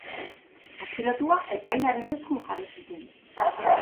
Atxilotua epailearen esku jarri zuten.